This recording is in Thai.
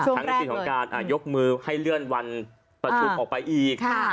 หนังสือของการยกมือให้เลื่อนวันประชุมออกไปอีก